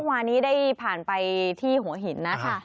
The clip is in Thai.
วานี้ได้ผ่านไปที่หัวหินนะคะ